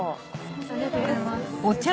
ありがとうございます。